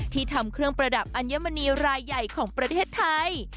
ทำเครื่องประดับอัญมณีรายใหญ่ของประเทศไทย